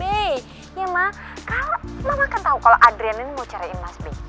iya ma mama kan tahu kalau adriana ini mau cariin mas b